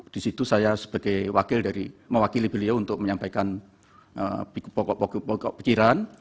di situ saya sebagai wakil dari mewakili beliau untuk menyampaikan pokok pikiran